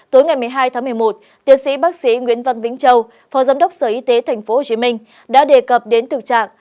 tối ngày một mươi hai tháng một mươi một tiến sĩ bác sĩ nguyễn văn vĩnh châu phó giám đốc sở y tế tp hcm đã đề cập đến thực trạng